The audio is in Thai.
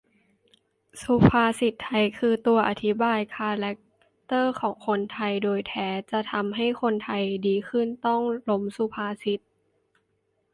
สุภาษิตไทยคือตัวอธิบายคาร์แร็คเตอร์ของคนไทยโดยแท้ จะทำให้คนไทยดีขึ้นต้องล้มสุภาษิต